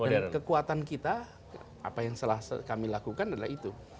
dan kekuatan kita apa yang kami lakukan adalah itu